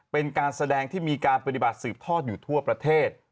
เป็นการแสดงที่มีการปฏิบัติสืบทอดอยู่ทั่วประเทศ